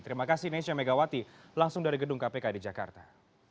terima kasih nesya megawati langsung dari gedung kpk di jakarta